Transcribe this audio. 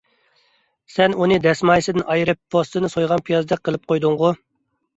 سەن ئۇنى دەسمايىسىدىن ئايرىپ، پوستىنى سويغان پىيازدەك قىلىپ قويدۇڭغۇ!